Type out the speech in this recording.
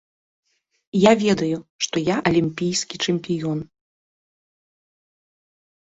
Я ведаю, што я алімпійскі чэмпіён.